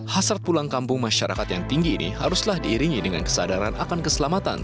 hasrat pulang kampung masyarakat yang tinggi ini haruslah diiringi dengan kesadaran akan keselamatan